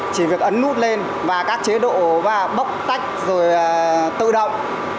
chỉ việc ấn nút lên và các chế độ và bốc tách rồi tự động